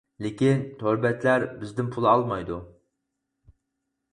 لېكىن تور بەتلەر بىزدىن پۇل ئالمايدۇ.